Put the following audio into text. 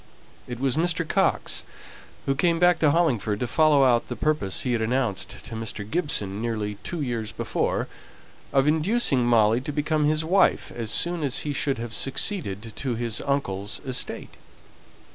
It was Mr. Coxe, who came back to Hollingford to follow out the purpose he had announced to Mr. Gibson nearly two years before, of inducing Molly to become his wife as soon as he should have succeeded to his uncle's estate.